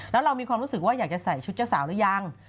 แล้วเรามีความรู้สึกว่าอยากจะใส่ชุดเจ้าสาวหรือยัง